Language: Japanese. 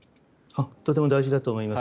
とても大事だと思います。